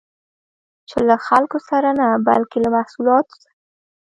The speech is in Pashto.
چې له خلکو سره نه، بلکې له محصولات سره